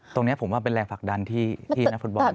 ตรงนี้ผมว่าเป็นแรงผลักดันที่นักฟุตบอล